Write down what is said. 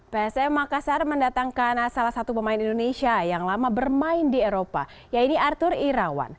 psm makassar mendatangkan salah satu pemain indonesia yang lama bermain di eropa yaitu arthur irawan